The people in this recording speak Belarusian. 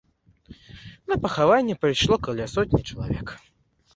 На пахаванне прыйшло каля сотні чалавек.